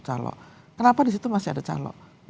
calo kenapa di situ masih ada calo